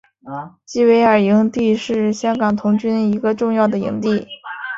基维尔营地是香港童军一个重要的营地。